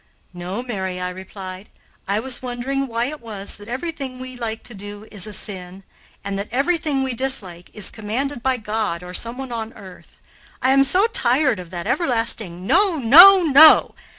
"No, Mary," I replied, "I was wondering why it was that everything we like to do is a sin, and that everything we dislike is commanded by God or someone on earth. I am so tired of that everlasting no! no! no!